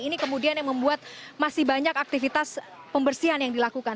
ini kemudian yang membuat masih banyak aktivitas pembersihan yang dilakukan